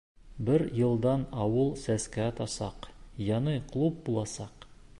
Бер йылдан ауыл сәскә атасаҡ, яңы клуб буласаҡ!